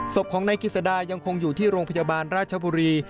ศพของนายกิจสดายังคงอยู่ที่โรงพยาบาลราชบุรี